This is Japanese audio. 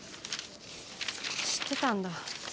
知ってたんだ？